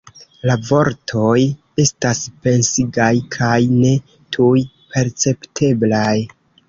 La vortoj estas pensigaj kaj ne tuj percepteblaj.